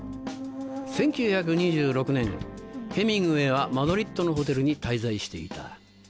１９２６年ヘミングウェイはマドリードのホテルに滞在していた。